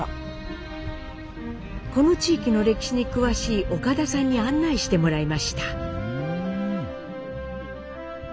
この地域の歴史に詳しい岡田さんに案内してもらいました。